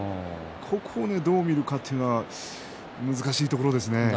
ここをどう見るかというのは難しいところですね。